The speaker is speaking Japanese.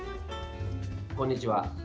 こんにちは。